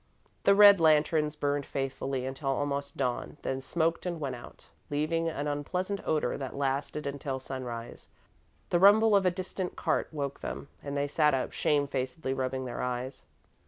The red lanterns burned faithfully until almost dawn, then smoked and went out, leaving an unpleasant odour that lasted until sunrise. The rumble of a distant cart woke them, and they sat up, shamefacedly rubbing their eyes.